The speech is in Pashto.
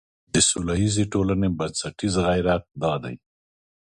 د سولیزې ټولنې بنسټیز غیرت دا دی.